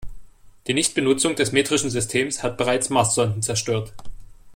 Die Nichtbenutzung des metrischen Systems hat bereits Marssonden zerstört.